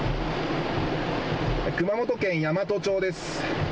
熊本県山都町です。